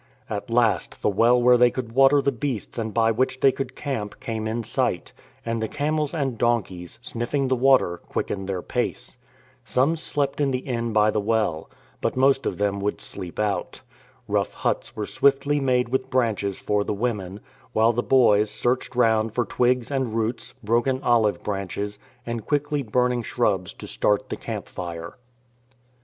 At last the well where they could water the beasts and by which they could camp came in sight, and the camels and donkeys, sniffing the water, quick ened their pace. Some slept in the inn by the well. But most of them would sleep out. Rough huts were swiftly made with branches for the women; while the boys searched round for twigs and roots, broken olive branches, and quickly burning shrubs to start the camp fire.